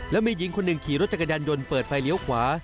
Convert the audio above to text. แล้วมีหญิงคนหนึ่งขี่รถจักรยานยนต์เปิดไฟเลี้ยวขวา